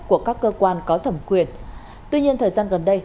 của các cơ quan có thẩm quyền tuy nhiên thời gian gần đây